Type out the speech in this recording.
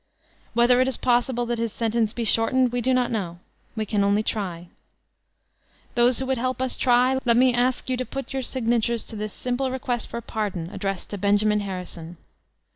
Whether it is possible that his sentence be shortened, we do not know. We can only try. Those who wotild help us try, kt me ask to pot your signatures Sex Slavbky 357 to this simple request for pardon addressed to amin Harrison.